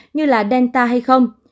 như delta hay không